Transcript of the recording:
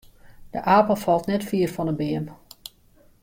De apel falt net fier fan 'e beam.